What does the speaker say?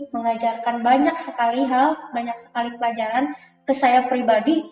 mengajarkan banyak sekali hal banyak sekali pelajaran ke saya pribadi